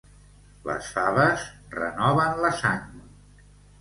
Les faves renoven la sang.